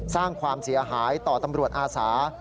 สร้างความเสียหายต่อตำรวจอาสา